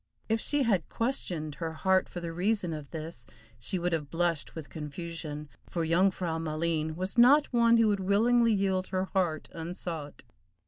If she had questioned her heart for the reason of this she would have blushed with confusion, for Jung frau Maleen was not one who would willingly yield her heart unsought.